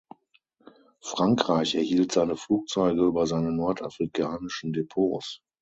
Frankreich erhielt seine Flugzeuge über seine nordafrikanischen Depots.